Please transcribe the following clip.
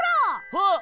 あっ！